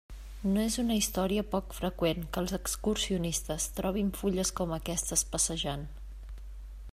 No és una història poc freqüent que els excursionistes trobin fulles com aquestes passejant.